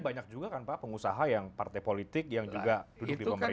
banyak juga kan pak pengusaha yang partai politik yang juga duduk di pemerintahan